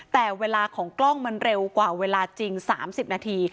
แต่เวลาของกล้องมันเร็วกว่าเวลาจริง๓๐นาที